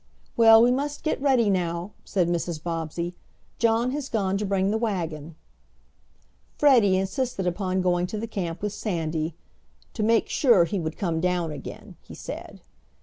"Well, we must get ready now," said Mrs. Bobbsey. "John has gone to bring the wagon." Freddie insisted upon going to the camp with Sandy, "to make sure he would come down again," he said.